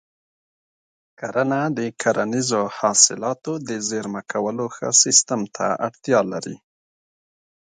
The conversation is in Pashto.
کرنه د کرنیزو حاصلاتو د زېرمه کولو ښه سیستم ته اړتیا لري.